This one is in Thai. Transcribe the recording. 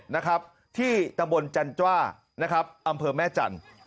นะครับที่ตำบลจันจ้านะครับอำเภอแม่จันทร์